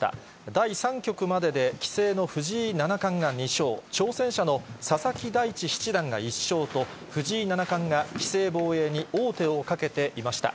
第３局までで棋聖の藤井七冠が２勝、挑戦者の佐々木大地七段が１勝と、藤井七冠が棋聖防衛に王手をかけていました。